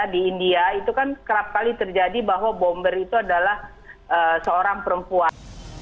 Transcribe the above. di india itu kan kerap kali terjadi bahwa bomber itu adalah seorang perempuan